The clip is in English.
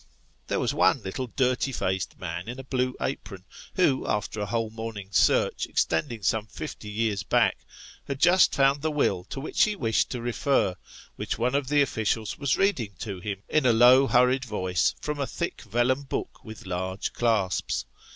There was one little dirty faced man in a blue apron, who after a whole morning's search, extending some fifty years back, had just found the will to which he wished to refer, which one of the officials was reading to him in a low hurried voice from a thick vellum book with large clasps.